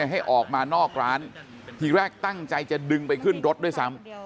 ให้ออกมานอกร้านทีแรกตั้งใจจะดึงไปขึ้นรถด้วยซ้ำ